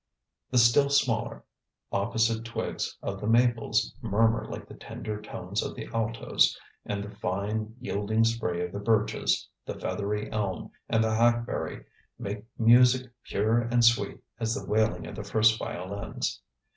The still smaller, opposite twigs of the maples murmur like the tender tones of the altos and the fine, yielding spray of the birches, the feathery elm and the hackberry make music pure and sweet as the wailing of the first violins.